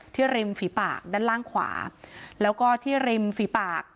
ริมฝีปากด้านล่างขวาแล้วก็ที่ริมฝีปาก